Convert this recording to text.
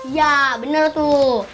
ya bener tuh